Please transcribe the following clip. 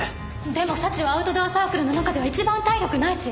でも早智はアウトドアサークルの中では一番体力ないし。